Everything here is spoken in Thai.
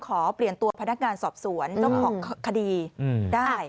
ขอเปลี่ยนตัวพนักงานสอบสวนเจ้าของคดีได้